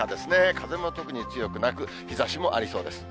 風も特に強くなく、日ざしもありそうです。